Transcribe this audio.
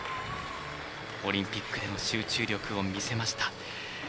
オリンピックでも集中力を見せました。